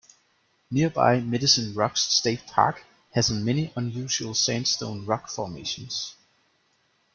Nearby Medicine Rocks State Park has many unusual sandstone rock formations.